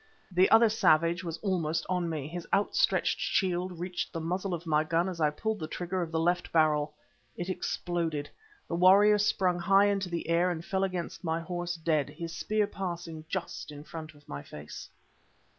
The other savage was almost on me; his outstretched shield reached the muzzle of my gun as I pulled the trigger of the left barrel. It exploded, the warrior sprung high into the air, and fell against my horse dead, his spear passing just in front of my face.